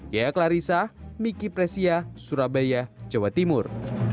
yaaklarisa miki presia surabaya jawa timur